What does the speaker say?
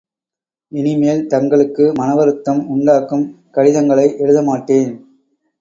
இனிமேல் தங்களுக்கு மனவருத்தம் உண்டாக்கும் கடிதங்களை எழுத மாட்டேன்.